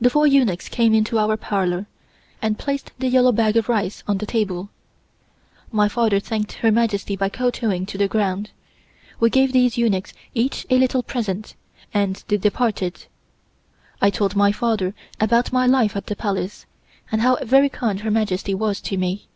The four eunuchs came into our parlor, and placed the yellow bag of rice on the table. My father thanked Her Majesty by kowtowing to the ground. We gave these eunuchs each a little present, and they departed. I told my father about my life at the Palace, and how very kind Her Majesty was to me.